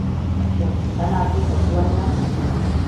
Shin kana so ka ci wannan?